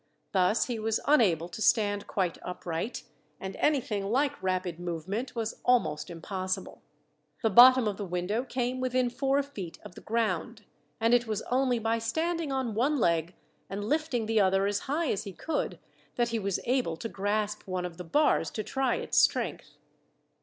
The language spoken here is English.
Thus he was unable to stand quite upright, and anything like rapid movement was almost impossible. The bottom of the window came within four feet of the ground, and it was only by standing on one leg, and lifting the other as high as he could, that he was able to grasp one of the bars to try its strength.